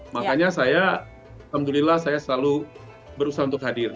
makanya saya alhamdulillah saya selalu berusaha untuk hadir